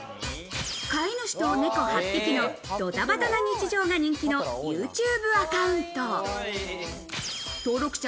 飼い主と猫８匹のドタバタな日常が人気のＹｏｕＴｕｂｅアカウント、登録者